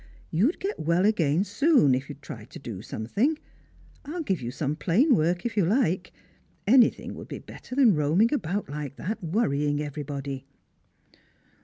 " You'd get well as soon again if you'd try to do something ; I'll give you some plain work, if you like ; anything would be better than roaming about like that, worrying everybody."